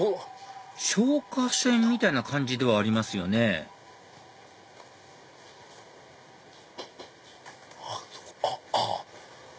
消火栓みたいな感じではありますよねあっあぁ。